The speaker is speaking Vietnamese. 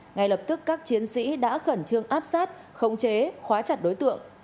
ngay lập tức các chiến sĩ đã khẩn trương áp sát khống chế khóa chặt đối tượng